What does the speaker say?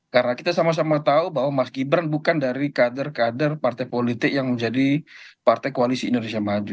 karena kita sama sama tahu bahwa mas gibran bukan dari kader kader partai politik yang menjadi partai koalisi indonesia mahal sejujur